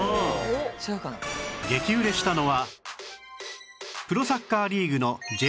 激売れしたのはプロサッカーリーグの Ｊ リーググッズ